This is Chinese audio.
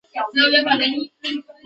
出身于长崎县。